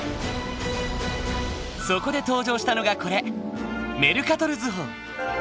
そこで登場したのがこれメルカトル図法。